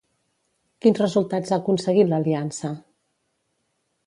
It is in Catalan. Quins resultats ha aconseguit l'Aliança?